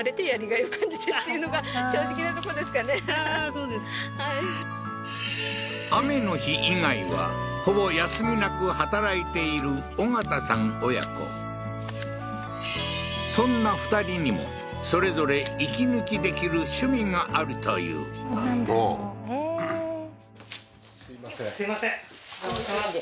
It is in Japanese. そうですかはい雨の日以外はほぼ休み無く働いている緒方さん親子そんな２人にもそれぞれ息抜き出来る趣味があるというほうええー？